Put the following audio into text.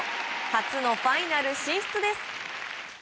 初のファイナル進出です。